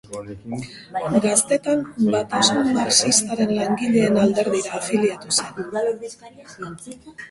Gaztetan Batasun Marxistaren Langileen Alderdira afiliatu zen.